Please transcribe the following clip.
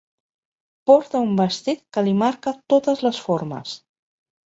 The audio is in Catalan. Porta un vestit que li marca totes les formes.